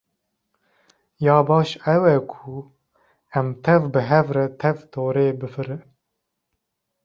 Ya baş ew e ku em tev bi hev re tev torê bifirin.